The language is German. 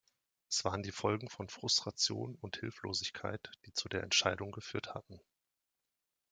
Es waren die Folgen von Frustration und Hilflosigkeit, die zu der Entscheidung geführt hatten.